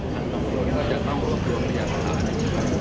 ถ้าทางทั้งประโยคจะต้องกำหนดการประสาท